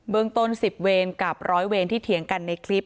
เมืองต้น๑๐เวรกับร้อยเวรที่เถียงกันในคลิป